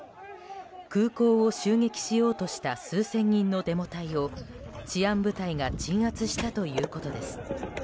空港を襲撃しようとした数千人のデモ隊を治安部隊が鎮圧したということです。